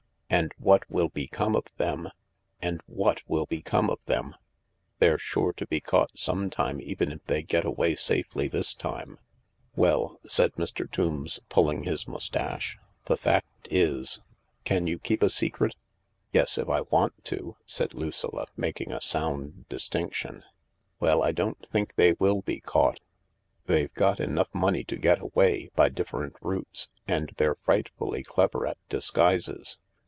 And what will become of them ? And what will become of them ? They're sure to be caught some time, even if they get away safely this time." " Well," said Mr. Tombs, pulling his moustache, " the fact is •.. Can you keep a secret ?" "Yes, if I want to," said Lucilla making a sound distinction. "Well, I don't think they will be caught. They've got 284 THE LARK enough money to get away— by different routes— and they're frightfully clever at disguises.